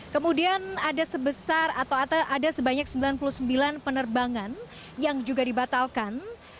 kemudian ada sebanyak sembilan puluh sembilan penerbangan yang juga dibatalkan